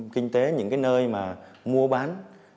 kinh tế những cái nơi mà mua bán